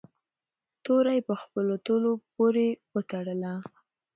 توره یې په خپلو تلو پورې و تړله.